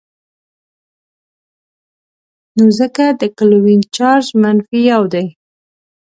نو ځکه د کلوین چارج منفي یو دی.